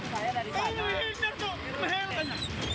tidak menghindar dong